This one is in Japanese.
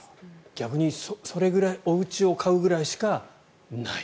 逆にそれぐらいおうちを買うぐらいしかない。